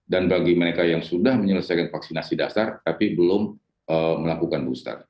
dan bagi mereka yang sudah menyelesaikan vaksinasi dasar tapi belum melakukan booster